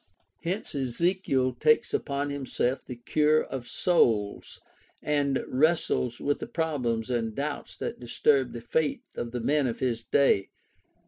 Hence, Ezekiel takes upon himself the " cure of souls " and wrestles with the problems and doubts that disturb the faith of the men of his day.